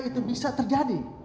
itu bisa terjadi